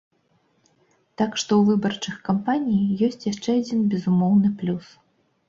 Так што ў выбарчых кампаній ёсць яшчэ адзін безумоўны плюс.